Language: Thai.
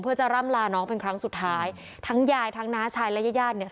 เพื่อจะร่ำลาน้องเป็นครั้งสุดท้ายทั้งยายทั้งน้าชายและญาติญาติเนี่ย